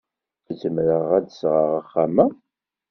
Zemreɣ ad d-sɣeɣ axxam-a?